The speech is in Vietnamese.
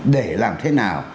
để làm thế nào